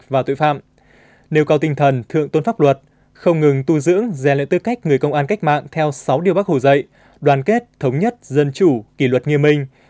và tội phạm nêu cao tinh thần thượng tôn pháp luật không ngừng tu dưỡng rèn luyện tư cách người công an cách mạng theo sáu điều bác hồ dạy đoàn kết thống nhất dân chủ kỷ luật nghiêm minh